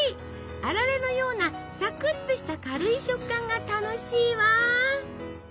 あられのようなサクッとした軽い食感が楽しいわ！